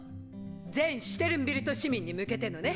全シュテルンビルト市民に向けてのね。